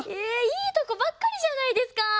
えいいとこばっかりじゃないですか。